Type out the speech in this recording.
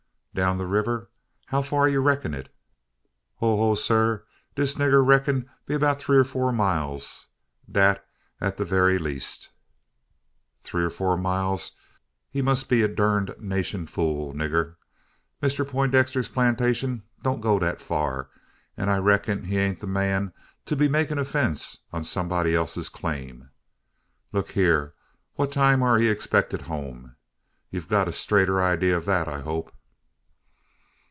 "Down the river! How fur d'ye reck'n?" "Ho! ho! sar. Dis nigga reck'n it be 'bout tree or four mile dat at de berry leas'." "Three or four mile? Ye must be a durnationed fool, nigger. Mister Peintdexter's plantation don't go thet fur; an I reck'n he ain't the man to be makin' a fence on some'dy else's clarin'. Lookee hyur! What time air he expected hum? Ye've got a straighter idee o' thet, I hope?"